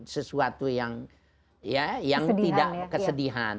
sesuatu yang negatif sesuatu yang ya yang tidak kesedihan